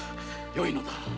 よいのだ。